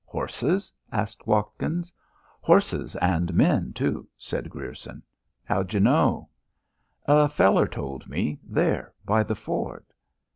"Horses?" asked Watkins. "Horses and men too," said Grierson. "How d'yeh know?" "A feller told me there by the ford."